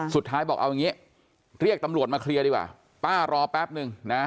สุดท้ายบอกเอาอย่างนี้เรียกตำรวจมาเคลียร์ดีกว่าป้ารอแป๊บนึงนะ